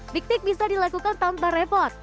piknik bisa dilakukan tanpa repot